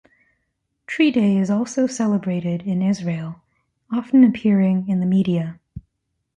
Tree Day is also celebrated in Israel, often appearing in the media.